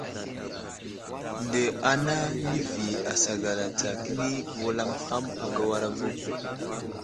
Nde ana nəvi asagala tsa kəni wulam ham agawara vo.